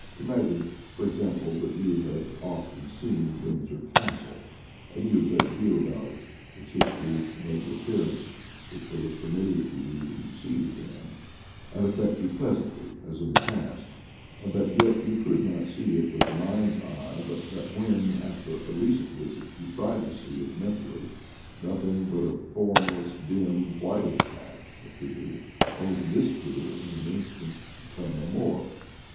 Imagine, for example, that you had often seen Windsor Castle, and knew a great deal about it, its history, its noble appearance, which will look familiar to you when you see it again and affect you pleasantly as in the past; and that yet you could not see it with the mind's eye, but that when, after a recent visit, you tried to see it men tally, nothing but a formless, dim, whitish patch PERFUME OF AN EVENING PKIMROSE 239 appeared, only to disappear in an instant and come no more.